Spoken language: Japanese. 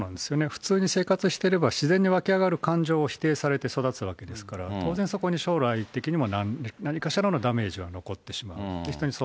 普通に生活してれば、自然に湧き上がる感情を否定されて育つわけですから、当然、そこに将来的にも何かしらのダメージが残ってしまう。